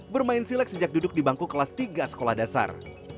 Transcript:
bermain silek sejak duduk di bangku kelas tiga sekolah dasar